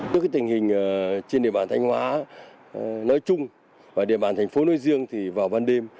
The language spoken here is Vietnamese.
trước tình hình trên địa bàn thanh hóa nói chung và địa bàn thành phố nôi dương thì vào ban đêm